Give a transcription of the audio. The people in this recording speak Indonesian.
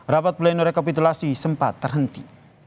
rapat pleno rekapitulasi sempat terhenti